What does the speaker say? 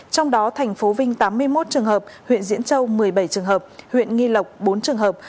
trong đó thành phố vinh tám mươi một trường hợp huyện diễn châu một mươi bảy trường hợp huyện nghi lộc bốn trường hợp